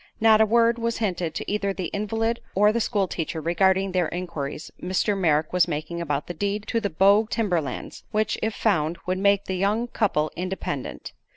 Not a word was hinted to either the invalid or the school teacher regarding the inquiries Mr. Merrick was making about the deed to the Bogue timber lands, which, if found, would make the young couple independent.